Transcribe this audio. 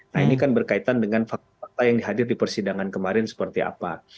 nah ini kan berkaitan dengan fakta fakta yang hadir di persidangan kemarin seperti apa